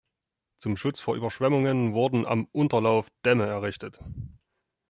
Zum Schutz vor Überschwemmungen wurden am Unterlauf Dämme errichtet.